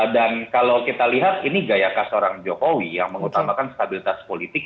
dan kalau kita lihat ini gayakah seorang jokowi yang mengutamakan stabilitas politik